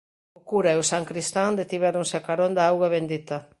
O cura e o sancristán detivéronse a carón da auga bendita.